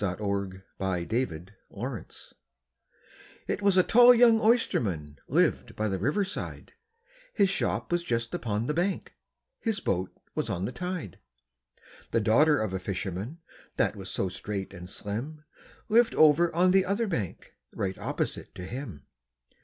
THE BALLAD OF THE OYSTERMAN IT was a tall young oysterman lived by the river side, His shop was just upon the bank, his boat was on the tide; The daughter of a fisherman, that was so straight and slim, Lived over on the other bank, right opposite to him.